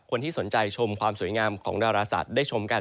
คนที่สนใจชมความสวยงามของดาราศาสตร์ได้ชมกัน